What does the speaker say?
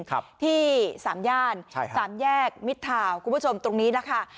ครับที่สามย่านใช่สามแยกมิดทาวน์คุณผู้ชมตรงนี้แหละค่ะ